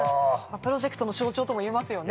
プロジェクトの象徴ともいえますよね。